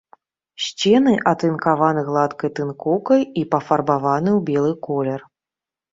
Сцены атынкаваны гладкай тынкоўкай і пафарбаваны ў белы колер.